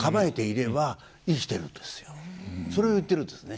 それを言ってるんですね。